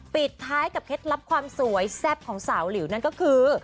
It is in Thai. ปิดท้ายกับเคล็ดลับความสวยแซ่บของสาวหลิวนั่นก็คือ